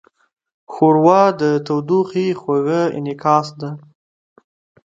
ښوروا د تودوخې خوږه انعکاس ده.